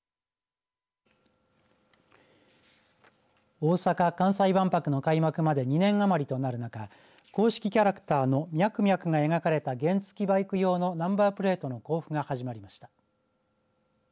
大阪・関西万博の開幕まで２年余りとなる中公式キャラクターのミャクミャクが描かれた原付バイク用のナンバープレートの交付が始まりました。